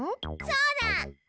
そうだ！